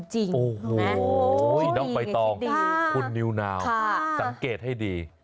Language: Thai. โอ้โหน้องใบตองคุณนิวนาวสังเกตให้ดี